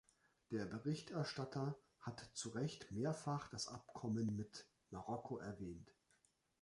Der Berichterstatter hat zu Recht mehrfach das Abkommen mit Marokko erwähnt.